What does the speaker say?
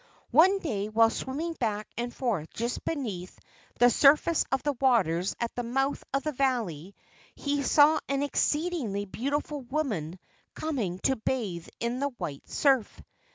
One day, while swimming back and forth just beneath the sur¬ face of the waters at the mouth of the valley, he saw an exceedingly beautiful woman coming to bathe in the white surf.